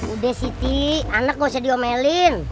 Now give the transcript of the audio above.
udah city anak gak usah diomelin